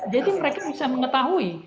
jadi mereka bisa mengetahui